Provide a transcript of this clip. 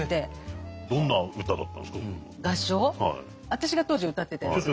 私が当時歌ってたやつ？